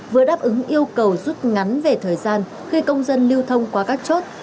vừa đáp ứng yêu cầu rút ngắn về thời gian khi công dân lưu thông qua các chốt